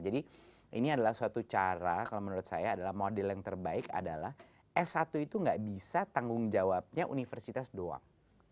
jadi ini adalah suatu cara kalau menurut saya adalah model yang terbaik adalah s satu itu gak bisa tanggung jawabnya universitas doang